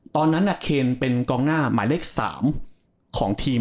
ตอนนั้นเคนเป็นกองหน้าหมายเลข๓ของทีม